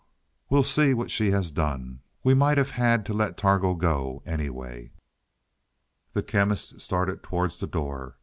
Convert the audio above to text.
"We'll see what she has done. We might have had to let Targo go anyway." The Chemist started towards the door.